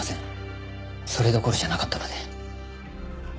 それどころじゃなかったので。